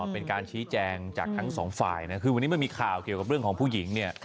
เป็นการชี้แจงจากทั้งสองฝ่ายนะคือวันนี้มันมีข่าวเกี่ยวกับเรื่องของผู้หญิงเนี่ย